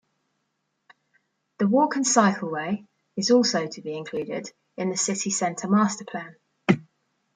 The walk- and cycleway is also to be included in the city centre masterplan.